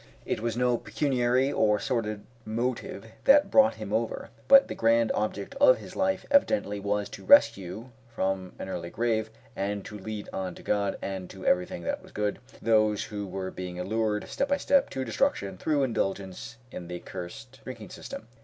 It was no pecuniary or sordid motive that had brought him over; but the grand object of his life evidently was to rescue from an early grave, and to lead on to God, and to everything that was good, those who were being allured, step by step, to destruction through indulgence in the cursed drinking system.